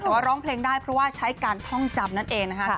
แต่ว่าร้องเพลงได้เพราะว่าใช้การท่องจำนั่นเองนะคะ